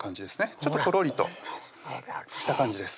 ちょっととろりとした感じです